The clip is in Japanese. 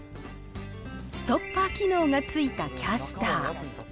ストッパー機能がついたキャスター。